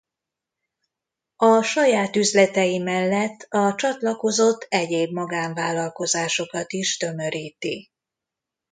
A saját üzletei mellett a csatlakozott egyéb magánvállalkozásokat is tömöríti.